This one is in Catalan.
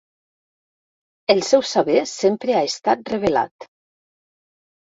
El seu saber sempre ha estat revelat.